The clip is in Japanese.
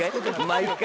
毎回？